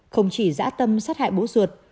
không chỉ dã tâm sát hại bố ruột